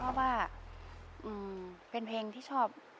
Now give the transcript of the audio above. เพราะว่าเป็นเพลงที่ชอบร้องอะค่ะ